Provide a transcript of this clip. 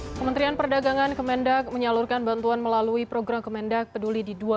hai kementerian perdagangan kemendak menyalurkan bantuan melalui program kemendak peduli di dua